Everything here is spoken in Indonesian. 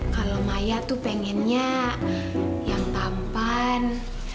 kalau maya tuh pengennya yang tampan